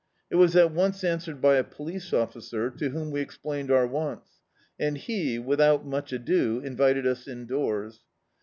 It was at once answered by a police officer, to whom we explained our wants, and be, without much ado, invited us indoors.